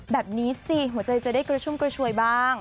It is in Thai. แบบนี้สิหัวใจจะได้กระชุ่มกระชวยบ้าง